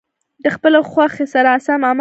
د خپلې خوښې سره سم عمل مه کوه.